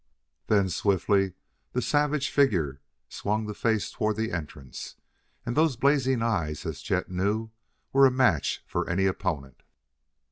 Then swiftly the savage figure swung to face toward the entrance, and those blazing eyes, as Chet knew, were a match for any opponent.